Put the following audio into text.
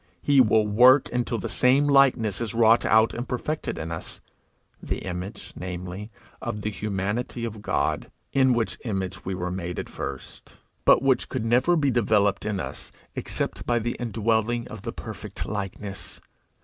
He will work until the same likeness is wrought out and perfected in us, the image, namely, of the humanity of God, in which image we were made at first, but which could never be developed in us except by the indwelling of the perfect likeness.